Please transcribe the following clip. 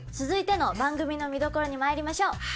続いての番組の見どころにまいりましょう。